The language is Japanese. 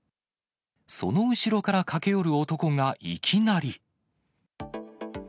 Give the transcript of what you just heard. その後ろから駆け寄る男がいきなり。